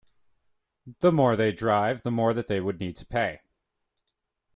The more they drive, the more that they would need to pay.